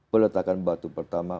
meletakkan batu pertama